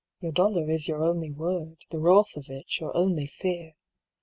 Your Dollar is your only Word, The wrath of it your only fear.